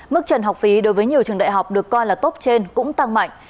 mức trần học phí đối với nhiều trường đại học được coi là tốt trên cũng tăng mạnh